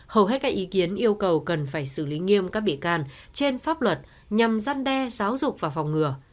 hầu hết các ý kiến yêu cầu cần phải xử lý nghiêm các bị can trên pháp luật nhằm gian đe giáo dục và phòng ngừa